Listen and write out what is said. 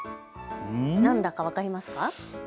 何だか分かりますか。